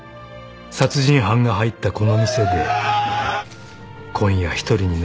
［殺人犯が入ったこの店で今夜一人になることを恐れ